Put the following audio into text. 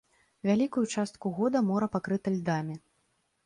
Вялікую частку года мора пакрыта льдамі.